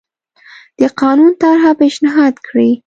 د قانون طرحه پېشنهاد کړي.